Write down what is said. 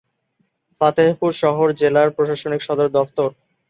ফতেহপুর শহর জেলার প্রশাসনিক সদর দফতর।